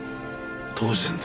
当然だ。